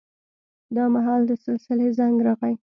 دا مهال د سلسلې زنګ راغی.